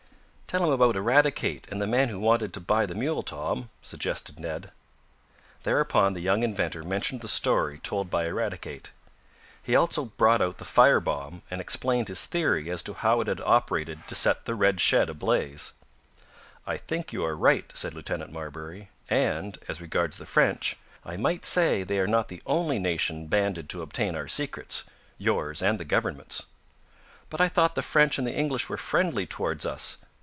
"Tell him about Eradicate, and the man who wanted to buy the mule, Tom," suggested Ned. Thereupon the young inventor mentioned the story told by Eradicate. He also brought out the fire bomb, and explained his theory as to how it had operated to set the red shed ablaze. "I think you are right," said Lieutenant Marbury. "And, as regards the French, I might say they are not the only nation banded to obtain our secrets yours and the government's!" "But I thought the French and the English were friendly toward us!"